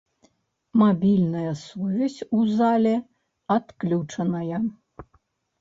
Мабільная сувязь у зале адключаная.